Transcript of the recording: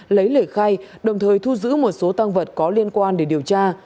lấy lể khay đồng thời thu giữ một số tăng vật có liên quan để điều tra